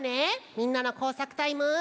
みんなのこうさくタイム。